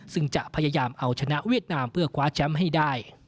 ซึ่งจะพยายามเอาชนะเวียดนามเพื่อคว้าแชมป์ให้ได้